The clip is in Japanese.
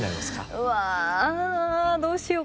うわあどうしようかな。